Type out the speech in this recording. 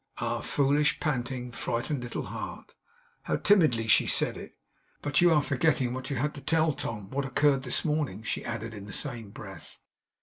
Ah, foolish, panting, frightened little heart, how timidly she said it! 'But you are forgetting what you had to tell, Tom; what occurred this morning,' she added in the same breath.